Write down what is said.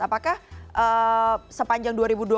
apakah sepanjang dua ribu dua puluh